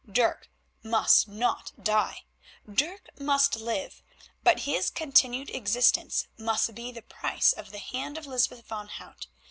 Dirk must not die, Dirk must live, but his continued existence must be the price of the hand of Lysbeth van Hout.